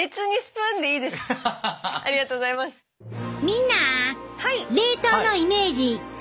みんな冷凍のイメージ変わった？